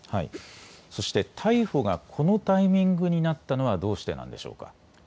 そして逮捕がこのタイミングになったのはどうしてなんでしょうか。